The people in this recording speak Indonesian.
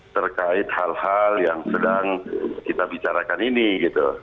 terkait hal hal yang sedang kita bicarakan ini gitu